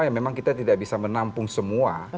yang memang kita tidak bisa menampung semua